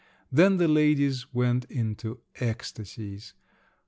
Then the ladies went into ecstasies.